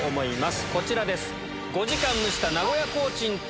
こちらです。